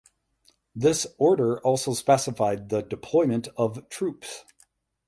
This order also specified the deployment of troops.